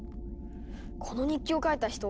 この日記を書いた人